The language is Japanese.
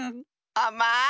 あまい！